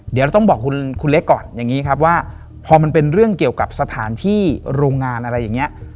เดี๋ยวเราต้องบอกคุณเล็กก่อนอย่างนี้ครับว่าพอมันเป็นเรื่องเกี่ยวกับสถานที่โรงงานอะไรอย่างนี้